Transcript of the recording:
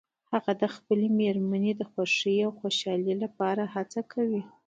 هغه د خپلې مېرمنې د خوښې او خوشحالۍ لپاره هڅه کوي